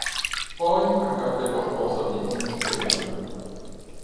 Poi accade qualcosa di inspiegabile.